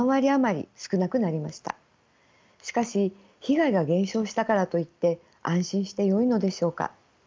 しかし被害が減少したからといって安心してよいのでしょうか。